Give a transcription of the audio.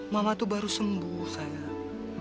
mama itu baru sembuh sayang